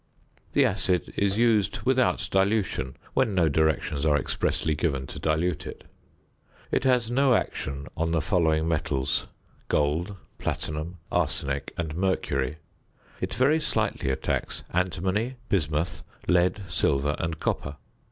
The acid is used without dilution when no directions are expressly given to dilute it. It has no action on the following metals: gold, platinum, arsenic, and mercury; it very slightly attacks antimony, bismuth, lead, silver, and copper.